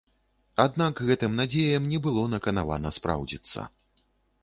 Аднак гэтым надзеям не было наканавана спраўдзіцца.